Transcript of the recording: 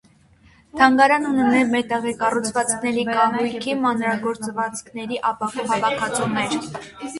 Թանգարանն ունի մետաղե կառուցվածքների, կահույքի, մանրագործվածքների, ապակու հավաքածուներ։